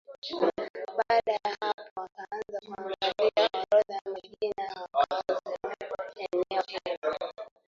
Baada ya hapo akaanza kuangalia orodha ya majina ya wakazi wa eneo hilo